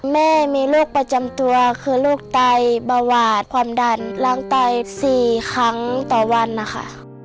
แม่มีโรคประจำตัวคือโรคไตเบาหวาดความดันล้างไต๔ครั้งต่อวันนะคะ